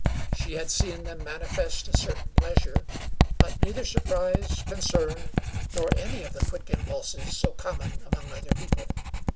She had seen them manifest a certain pleasure; but neither surprise, concern, nor any of the quick impulses so common among other people.